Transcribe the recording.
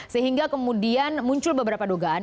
sehingga kemudian muncul beberapa dugaan